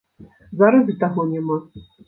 Зараз і таго няма.